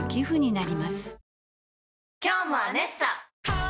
今日も「アネッサ」！